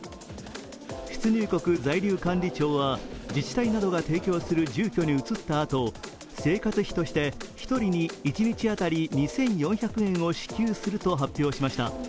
出入国在留管理庁は自治体などが提供する住居に移ったあと生活費として一人に１日当たり２４００円を支給すると発表しました。